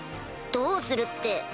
どうするって。